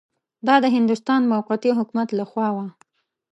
دا د هندوستان موقتي حکومت له خوا وه.